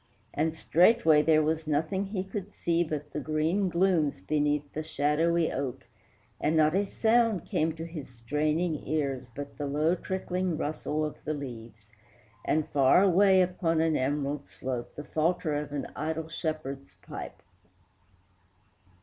And straightway there was nothing he could see But the green glooms beneath the shadowy oak, And not a sound came to his straining ears But the low trickling rustle of the leaves, And far away upon an emerald slope The falter of an idle shepherd's pipe.